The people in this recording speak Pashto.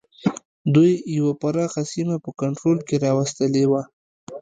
دوی یوه پراخه سیمه په کنټرول کې را وستلې وه.